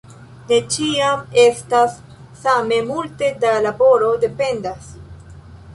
Ne ĉiam estas same multe da laboro; dependas.